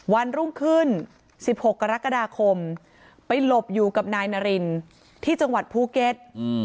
วันรุ่งขึ้น๑๖กรกฎาคมไปหลบอยู่กับนายนารินที่จังหวัดภูเก็ต